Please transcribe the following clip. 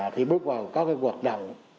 thì bước vào có cái hoạt động